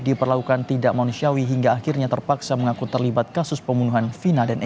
diperlakukan tidak manusiawi hingga akhirnya terpaksa mengaku terlibat kasus pembunuhan vina dan